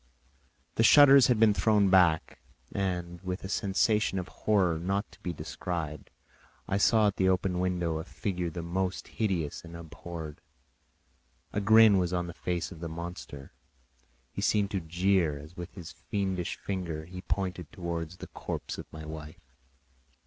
The shutters had been thrown back, and with a sensation of horror not to be described, I saw at the open window a figure the most hideous and abhorred. A grin was on the face of the monster; he seemed to jeer, as with his fiendish finger he pointed towards the corpse of my wife.